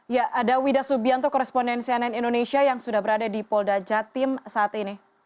ya ada wida subianto korespondensi ann indonesia yang sudah berada di polda jatim saat ini